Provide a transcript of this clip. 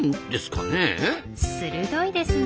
鋭いですね